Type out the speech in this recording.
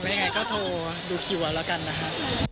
ไม่ได้ยังไงก็โทรดูคิวอันแล้วกันนะฮะ